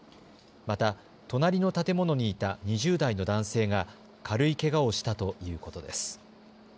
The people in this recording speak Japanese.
また、隣の建物にいた２０代の男性が軽いけがをしたということです。